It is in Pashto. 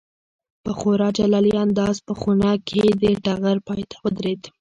په خورا جلالي انداز په خونه کې د ټغر پای ته ودرېد.